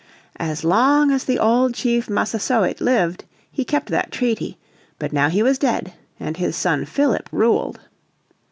As long as the old Chief Massasoit lived he kept that treaty. But now he was dead, and his son Philip ruled.